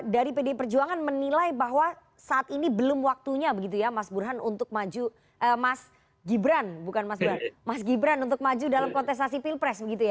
dari pd perjuangan menilai bahwa saat ini belum waktunya mas gibran untuk maju dalam kontestasi pilpres